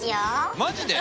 マジで？